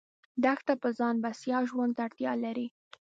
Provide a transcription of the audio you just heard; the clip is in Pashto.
دښته په ځان بسیا ژوند ته اړتیا لري.